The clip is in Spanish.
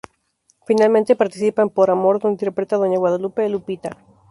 Finalmente participa en "Por amor", donde interpreta a Doña Guadalupe "Lupita".